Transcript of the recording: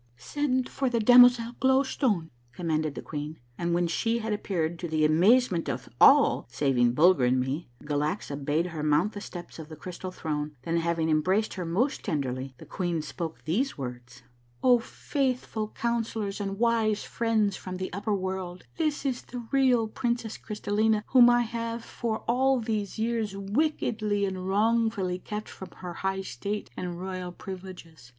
" Send for the damozel Glow Stone," commanded the queen, and when she had apj^eared, to the amazement of all saving Bulger and me, Galaxa bade her mount the steps of the Crystal Throne, then, having embraced her most tenderly, the queen spoke these words :—" O faithful Councillors and wise friends from the upper world, this is the real princess Crystallina, whom I have for all these years wickedly and wrongfully kept from her high state and royal privileges.